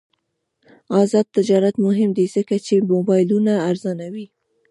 آزاد تجارت مهم دی ځکه چې موبایلونه ارزانوي.